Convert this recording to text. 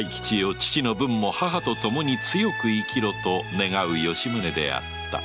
父の分も母とともに強く生きろと願う吉宗であった